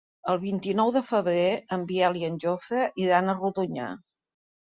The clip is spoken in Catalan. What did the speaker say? El vint-i-nou de febrer en Biel i en Jofre iran a Rodonyà.